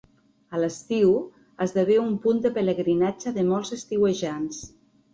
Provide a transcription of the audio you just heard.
A l’estiu esdevé un punt de pelegrinatge de molts estiuejants.